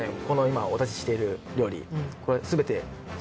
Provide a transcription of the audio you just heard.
この今お出ししてる料理これすべて。